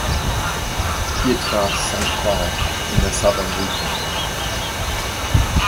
Hier trat Songkhla in der Southern Region an.